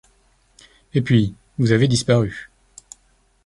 Et puis vous avez disparu.